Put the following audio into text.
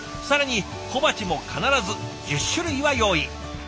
更に小鉢も必ず１０種類は用意。